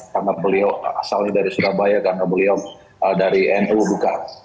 karena beliau asalnya dari surabaya karena beliau dari nu bukan